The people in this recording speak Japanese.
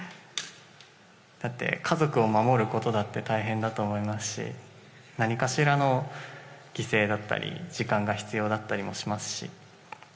だって、家族を守ることだって大変だと思いますし何かしらの犠牲だったり時間が必要だったりしますし。